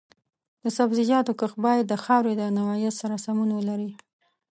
د سبزیجاتو کښت باید د خاورې د نوعیت سره سمون ولري.